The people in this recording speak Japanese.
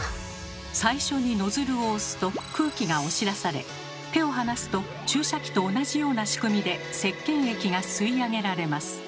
最初にノズルを押すと空気が押し出され手を離すと注射器と同じような仕組みでせっけん液が吸い上げられます。